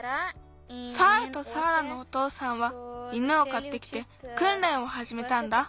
サーラとサーラのおとうさんは犬をかってきてくんれんをはじめたんだ。